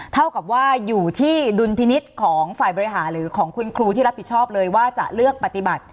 เท่ากับว่าอยู่ที่ดุลพินิษฐ์ของฝ่ายบริหารหรือของคุณครูที่รับผิดชอบเลยว่าจะเลือกปฏิบัติ